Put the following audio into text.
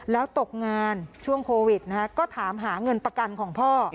แล้วตกงานช่วงโควิดก็ถามหาเงินประกันของพ่อ